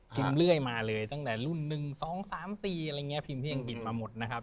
พิมพ์เรื่อยมาเลยตั้งแต่รุ่น๑๒๓๔พิมพ์ที่อังกฤษมาหมดนะครับ